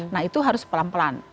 nah itu harus pelan pelan